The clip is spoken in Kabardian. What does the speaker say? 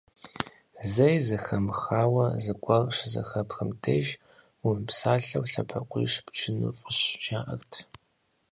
Зэи зэхыумыха зыгуэр щызэхэпхым деж, умыпсалъэу лъэбакъуищ пчыну фӀыщ, жаӀэрт.